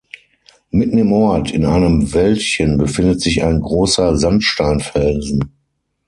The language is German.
Mitten im Ort in einem Wäldchen befindet sich ein großer Sandsteinfelsen.